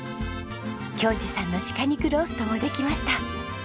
恭嗣さんの鹿肉ローストもできました。